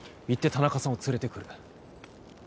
田中さんを連れてくる